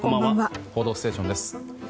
「報道ステーション」です。